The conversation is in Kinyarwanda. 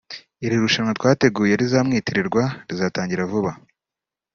Iri rushanwa twateguye rizamwitirirwa rizatangira vuba